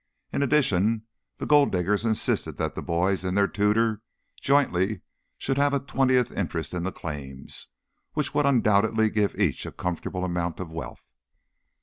In addition the Gold Diggers insisted that the boys and their tutor jointly should have a twentieth interest in the claims, which would undoubtedly give each a comfortable amount of wealth.